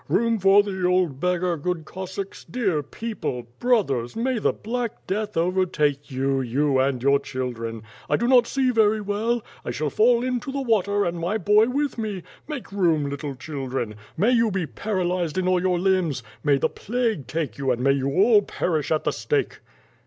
Room for the old beggar, good Cossacks, dear people, brothers, may the black death overtake yoy, you and your children! I do not eee very well. 1 shall fall into the water and my boy with me. Make room little children! May you be paralyzed in all your limbs! May the plague take you and may you all perish ait the stake!"